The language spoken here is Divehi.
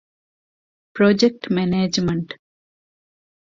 ޕްރޮޖެކްޓް މެނޭޖްމަންޓް